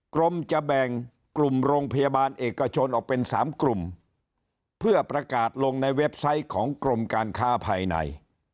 กรมจะแบ่งกลุ่มโรงพยาบาลเอกชนออกเป็น๓กลุ่มเพื่อประกาศลงในเว็บไซต์ของกรมการค้าภายใน